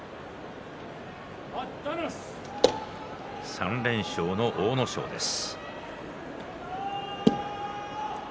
３連勝の阿武咲です。